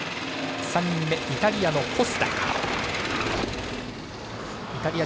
３人目、イタリアのコスタ。